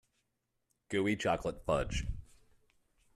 Gooey chocolate fudge.